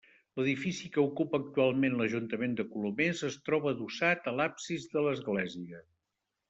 L'edifici que ocupa actualment l'Ajuntament de Colomers es troba adossat a l'absis de l'església.